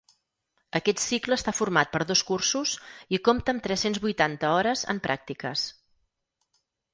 Aquest cicle està format per dos cursos i compta amb tres-cents vuitanta hores en pràctiques.